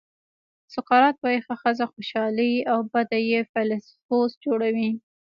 سقراط وایي ښه ښځه خوشالي او بده یې فیلسوف جوړوي.